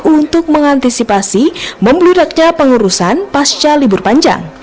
untuk mengantisipasi membludaknya pengurusan pasca libur panjang